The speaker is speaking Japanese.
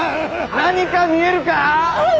何か見えるかァ